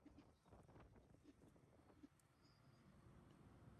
معیشت پر دیے گئے حکومتی اعداد و شمار